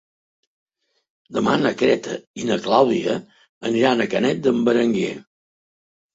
Demà na Greta i na Clàudia aniran a Canet d'en Berenguer.